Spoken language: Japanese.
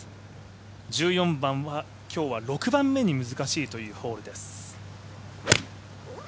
１４番は今日は６番目に難しいというホールです。